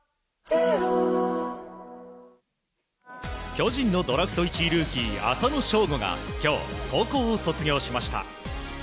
巨人のドラフト１位ルーキー浅野翔吾が今日、高校を卒業しました。